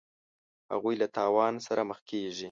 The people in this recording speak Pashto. هغوی له تاوان سره مخ کیږي.